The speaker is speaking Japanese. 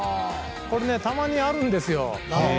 これ、たまにあるんですよ。